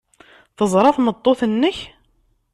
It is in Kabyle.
Teẓra tmeṭṭut-nnek?